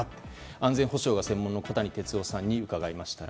安全保障が専門の小谷哲男さんに伺いました。